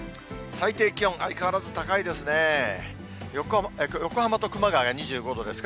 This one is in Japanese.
最低気温、相変わらず高いですね。